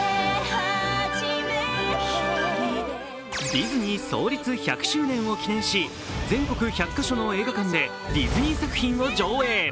ディズニー創立１００周年を記念し、全国１００か所の映画館でディズニー作品を上映。